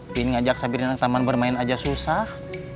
bikin ngajak sabirinan ke taman bermain aja susah